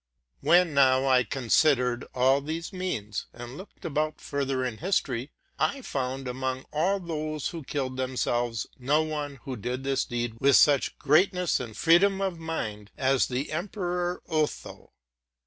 When I considered all these means, and looked about fur ther in history, I found among all those who killed themselves no one who did this deed with such greatness and freedom of mind as the emperor Otho.